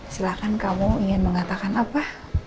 silahkan kamu ingin mengatakan apa